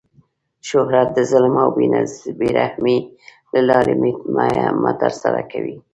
شهرت د ظلم او بې رحمۍ له لاري مه ترسره کوئ!